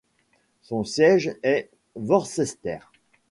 Son siège est Worcester.